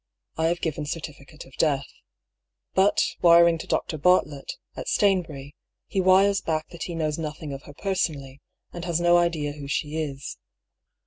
1 have given certificate of death. But, wiring to Dr. Bartlett, at Staiubury, he wires back that he knows nothing of her personally, and has no idea who she is.